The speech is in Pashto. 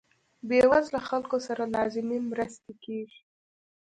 بې وزله خلکو سره لازمې مرستې کیږي.